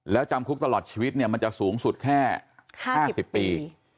แล้วจำคุกตลอดชีวิตเนี่ยมันจะสูงสุดแค่๕๐ปี